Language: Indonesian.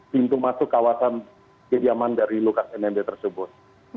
pintu masuk kawasan kediaman dari lukas nmb tersebut